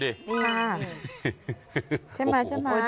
โอ้โห